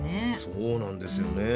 そうなんですよね。